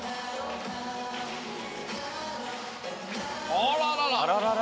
あららら！